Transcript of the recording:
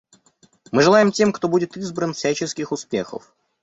Мы желаем тем, кто будет избран, всяческих успехов.